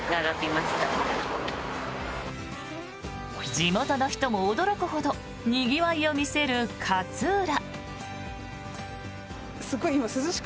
地元の人も驚くほどにぎわいを見せる勝浦。